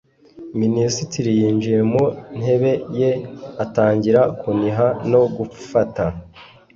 minisitiri yinjiye mu ntebe ye atangira kuniha no gufata